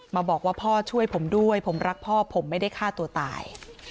มาบอกว่าพ่อช่วยผมด้วยผมรักพ่อผมไม่ได้ฆ่าตัวตาย